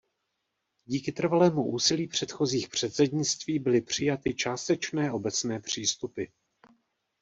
Díky trvalému úsilí předchozích předsednictví byly přijaty částečné obecné přístupy.